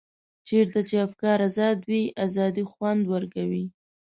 چېرته چې افکار ازاد وي ازادي خوند ورکوي.